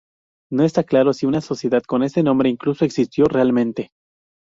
No está claro si una sociedad con este nombre incluso existió realmente.